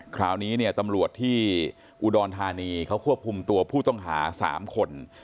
คราวนี้เนี่ยตำรวจที่อุดรธานีเขาควบคุมตัวผู้ต้องหา๓คน